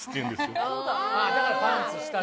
だから「パンツ」「下着」。